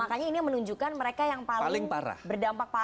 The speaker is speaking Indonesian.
makanya ini yang menunjukkan mereka yang paling berdampak parah